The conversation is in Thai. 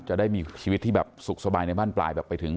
จะได้มีชีวิตที่แบบสุขสบายในบ้านปลายแบบไปถึง